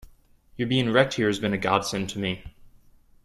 Your being wrecked here has been a godsend to me.